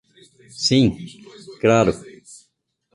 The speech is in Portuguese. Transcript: Sim, claro